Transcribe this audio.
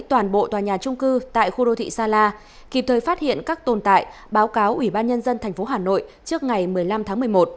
toàn bộ tòa nhà trung cư tại khu đô thị sa la kịp thời phát hiện các tồn tại báo cáo ủy ban nhân dân tp hà nội trước ngày một mươi năm tháng một mươi một